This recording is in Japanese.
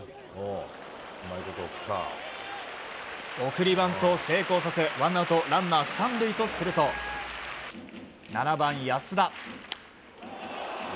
送りバントを成功させワンアウトランナー３塁とすると７番、安田。